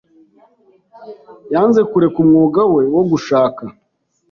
Yanze kureka umwuga we wo gushaka.